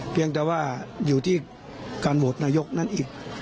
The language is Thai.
เพียงแต่ว่าอยู่ที่การโหวตนายกนั้นอีก